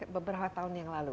beberapa tahun yang lalu